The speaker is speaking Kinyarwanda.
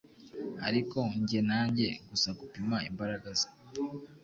Ariko njye na njye gusagupima imbaraga ze